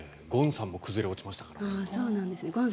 ゴンさんも崩れ落ちましたからね。